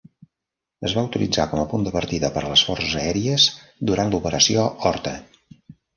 Es va utilitzar com a punt de partida per a les forces aèries durant l'Operació Horta.